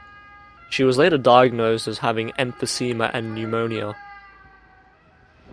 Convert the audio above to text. She was later diagnosed as having emphysema and pneumonia.